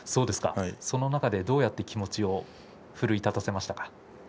その中でどうやって気持ちを奮い立たせましたか？